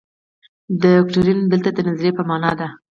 دوکتورین دلته د نظریې په معنا دی.